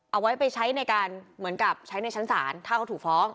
เอาไว้ไปใช้ในการเหมือนกับใช้ในชั้นศาลถ้าเขาถูกฟ้อง